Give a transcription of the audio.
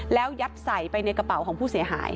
แล้วยัดใส่ไปในกระเป๋าของผู้เสียหาย